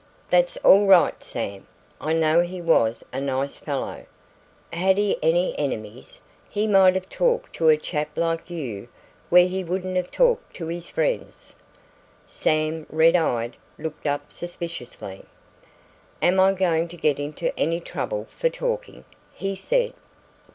"That's all right, Sam. I know he was a nice fellow. Had he any enemies he might have talked to a chap like you where he wouldn't have talked to his friends." Sam, red eyed, looked up suspiciously. "Am I going to get into any trouble for talking?" he said.